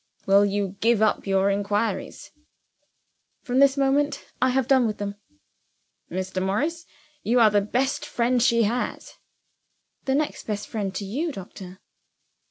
"Will you give up your inquiries?" "From this moment I have done with them!" "Mr. Morris, you are the best friend she has." "The next best friend to you, doctor."